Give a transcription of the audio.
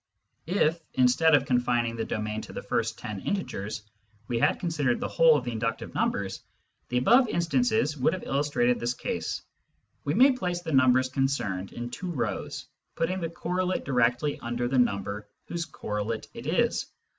• If, instead of confining the domain to the first ten integers, we had considered the whole of the inductive numbers, the above instances would have illustrated this case. We may place the numbers concerned in two rows, putting the correlate directly under the number whose correlate it is.